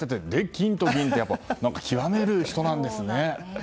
金と銀ってやっぱり、極める人なんですね。